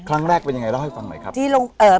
ครั้งแรกเป็นยังไงเล่าให้ฟังใหม่ครับ